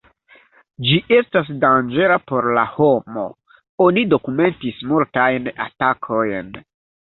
Ĝi estas danĝera por la homo, oni dokumentis multajn atakojn.